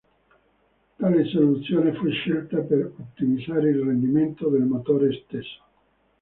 Tale soluzione fu scelta per ottimizzare il rendimento del motore stesso.